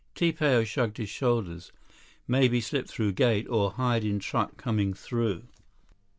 Ti Pao shrugged his shoulders. "Maybe slip through gate, or hide in truck coming through."